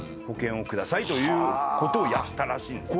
保険を下さいということをやったらしい。